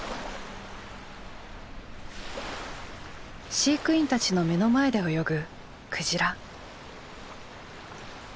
飼育員たちの目の前で泳ぐクジラ。